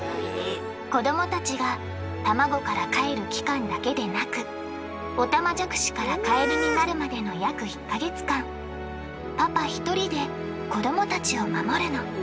子どもたちがタマゴからかえる期間だけでなくオタマジャクシからカエルになるまでの約１か月間パパひとりで子どもたちを守るの。